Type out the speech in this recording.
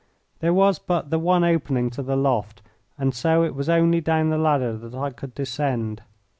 There was but the one opening to the loft, and so it was only down the ladder that I could descend.